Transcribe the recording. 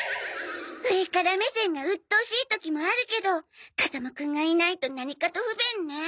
上から目線がうっとうしい時もあるけど風間くんがいないと何かと不便ね。